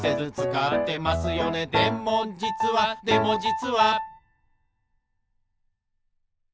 「でもじつはでもじつは」